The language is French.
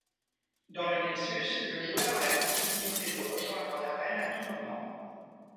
Dans le Nexus, le joueur a la possibilité de rejoindre l'arène à tout moment.